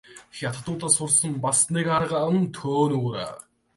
Хятадуудаас сурсан бас нэг арга нь төөнүүр.